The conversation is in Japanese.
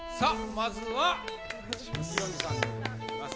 まずはヒロミさんでございます